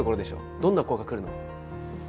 どんな子が来るの？